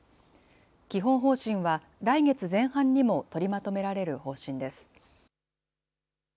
基本方針は、来月前半にも取りまとめられる方針です。